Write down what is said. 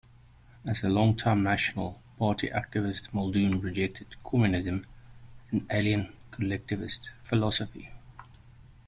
As a long-time National Party activist, Muldoon rejected Communism as an 'alien' collectivist philosophy.